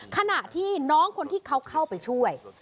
ขณะที่น้องคนที่เขาเข้าไปช่วย